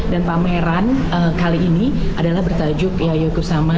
dan pameran kali ini adalah bertajuk yayoi kusama seribu sembilan ratus empat puluh lima